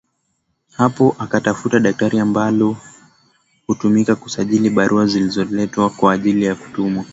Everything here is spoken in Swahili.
Hapo akatafuta daftari ambalo hutumika kusajili barua zilizoletwa kwa ajili ya kutumwa